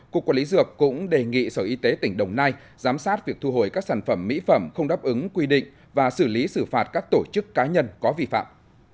cục quản lý dược cũng đề nghị sở y tế tỉnh đồng nai giám sát việc thu hồi các sản phẩm mỹ phẩm không đáp ứng quy định và xử lý xử phạt các tổ chức cá nhân có vi phạm